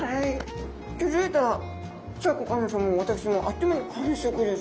気付いたらシャーク香音さまも私もあっという間に完食です。